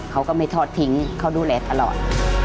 เขาก็ไม่ทอดทิ้งเขาดูแลตลอด